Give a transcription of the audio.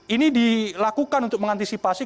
ini dilakukan untuk mengantisipasi